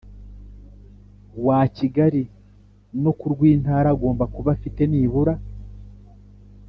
Wa kigali no kurw intara agomba kuba afite nibura